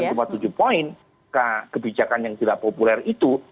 cuma tujuh poin kebijakan yang tidak populer itu